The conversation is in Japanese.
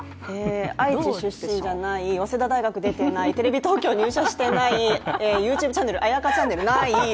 愛知出身じゃない、早稲田大学出てない、テレビ東京に入社してない、ＹｏｕＴｕｂｅチャンネル、ない。